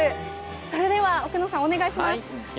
それでは奥野さんお願いします。